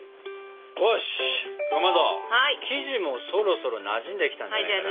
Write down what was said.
よしかまど生地もそろそろなじんできたんじゃないかな。